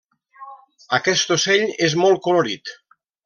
Aquest ocell és molt colorit.